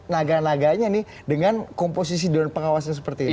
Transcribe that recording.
naga naganya nih dengan komposisi dewan pengawasnya seperti ini